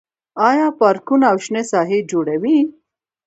آیا پارکونه او شنه ساحې جوړوي؟